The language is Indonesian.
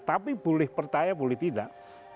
tapi boleh percaya boleh tidak